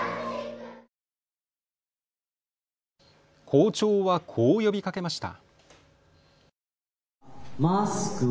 校長はこう呼びかけました。